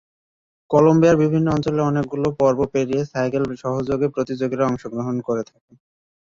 কলম্বিয়ার বিভিন্ন অঞ্চলে অনেকগুলো পর্ব পেরিয়ে সাইকেল সহযোগে প্রতিযোগীরা অংশগ্রহণ করে থাকে।